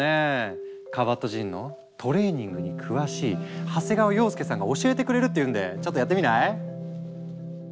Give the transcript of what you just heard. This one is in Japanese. カバットジンのトレーニングに詳しい長谷川洋介さんが教えてくれるって言うんでちょっとやってみない？